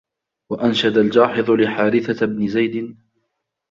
وَأَنْشَدَ الْجَاحِظُ لِحَارِثَةَ بْنِ زَيْدٍ